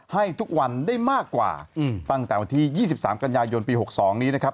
ให้ทุกวันได้มากกว่าตั้งแต่วันที่๒๓กันยายนปี๖๒นี้นะครับ